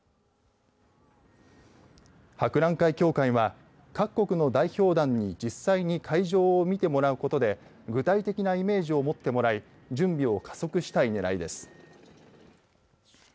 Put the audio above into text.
博覧会協会は各国の代表団に実際に会場を見てもらうことで具体的なイメージを持ってもらい準備を加速したいねらいです。